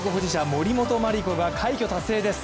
森本麻里子が快挙達成です。